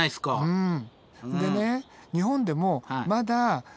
うん。